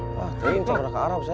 wah ternyata berapa arab saya